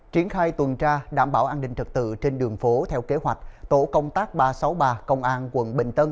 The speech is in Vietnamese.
triển khai tuần tra đảm bảo an ninh trật tự trên đường phố theo kế hoạch tổ công tác ba trăm sáu mươi ba công an quận bình tân